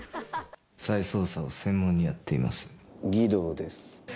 再捜査を専門にやっています、儀藤です。